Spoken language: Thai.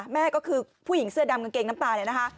แม่ก็คือผู้หญิงเสื้อดำกางเกงน้ำตา